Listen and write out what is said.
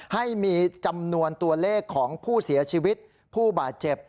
ให้มีจำนวนตัวเลขของผู้เสียชีวิตผู้บาดเจ็บ